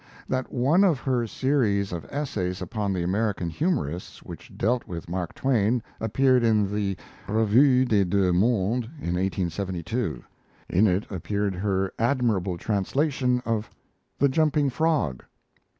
That one of her series of essays upon the American humorists which dealt with Mark Twain appeared in the 'Revue des Deux Mondes' in 1872; in it appeared her admirable translation of 'The Jumping Frog'.